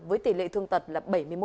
với tỷ lệ thương tật là bảy mươi một